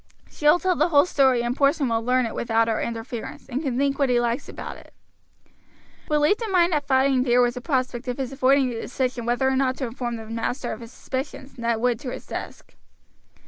She will tell the whole story and Porson will learn it without our interference, and can think what he likes about it." Relieved in mind at finding that there was a prospect of his avoiding the decision whether or not to inform the master of his suspicions, Ned went to his desk.